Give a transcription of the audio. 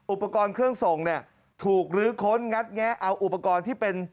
อุปกรณ์เครื่องส่งเนี่ยถูกลื้อค้นงัดแงะเอาอุปกรณ์ที่เป็น